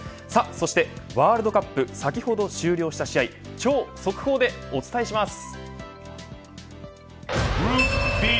そしてワールドカップ、先ほど終了した試合速報でお伝えします。